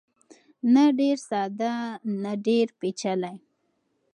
نه ډېر ساده نه ډېر پېچلی.